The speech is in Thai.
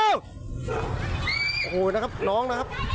โอ้โหนะครับน้องนะครับ